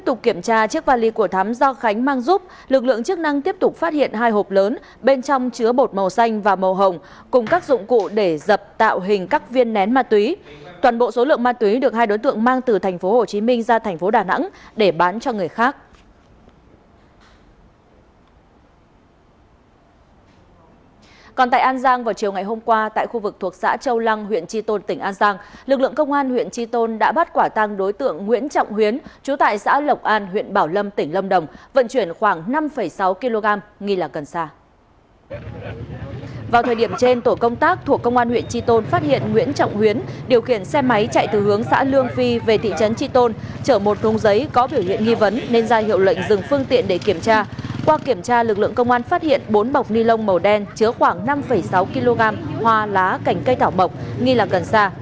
lực lượng công an phát hiện bốn bọc ni lông màu đen chứa khoảng năm sáu kg hoa lá cảnh cây thảo mộc nghi là gần xa